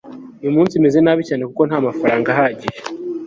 uyu munsi meze nabi cyane kuko ntamafaranga ahagije